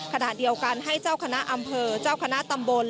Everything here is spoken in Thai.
ขณะเดียวกันให้เจ้าคณะอำเภอเจ้าคณะตำบล